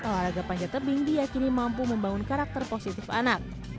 olahraga panjat tebing diakini mampu membangun karakter positif anak